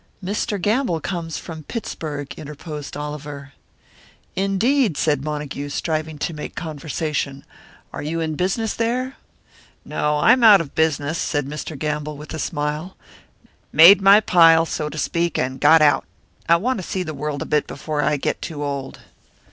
"Mr. Gamble comes from Pittsburg," interposed Oliver. "Indeed?" said Montague, striving to make conversation. "Are you in business there?" "No, I am out of business," said Mr. Gamble, with a smile. "Made my pile, so to speak, and got out. I want to see the world a bit before I get too old."